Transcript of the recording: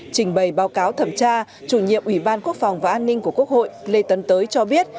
trình bày báo cáo thẩm tra chủ nhiệm ủy ban quốc phòng và an ninh của quốc hội lê tấn tới cho biết